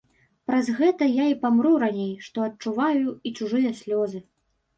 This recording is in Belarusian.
Праз гэта я і памру раней, што адчуваю і чужыя слёзы.